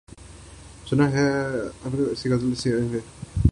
سُنا ہے حشر ہیں اُس کی غزال سی آنکھیں